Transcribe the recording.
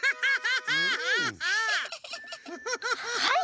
はい！